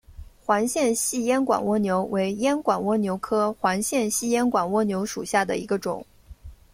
环线细烟管蜗牛为烟管蜗牛科环线细烟管蜗牛属下的一个种。